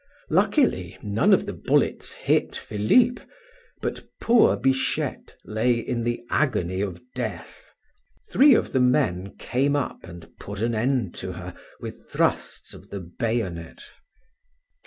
Luckily, none of the bullets hit Philip; but poor Bichette lay in the agony of death. Three of the men came up and put an end to her with thrusts of the bayonet.